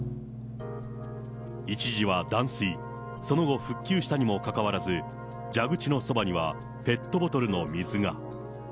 一時は断水、その後、復旧したにもかかわらず、蛇口のそばにはペットボトルの水が。